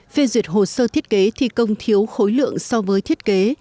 phê duyệt hồ sơ thiết kế thi công thiếu khối lượng so với thiết kế